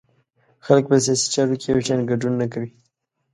خلک په سیاسي چارو کې یو شان ګډون نه کوي.